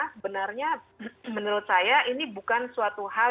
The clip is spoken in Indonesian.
sebenarnya menurut saya ini bukan suatu hal